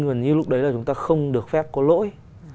gần như lúc đấy là chúng ta không được phép có lỗi